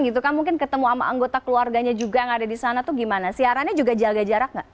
gitu kan mungkin ketemu sama anggota keluarganya juga yang ada di sana tuh gimana siarannya juga jaga jarak nggak